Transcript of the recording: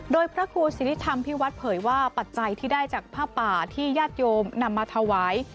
โดยพระครูศิริธรรมพิวัฒน์เผยว่าปัจจัยที่ได้จากผ้าป่าที่ญาติโยมนำมาถวาย